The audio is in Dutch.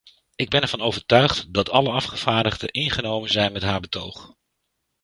Ik ben ervan overtuigd dat alle afgevaardigden ingenomen zijn met haar betoog.